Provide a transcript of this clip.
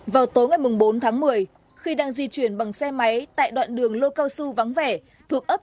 vào tối ngày bốn tháng một mươi khi đang di chuyển bằng xe máy tại đoạn đường lô cao su vắng vẻ thuộc ấp